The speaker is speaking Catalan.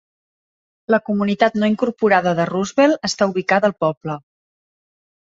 La comunitat no incorporada de Roosevelt està ubicada al poble.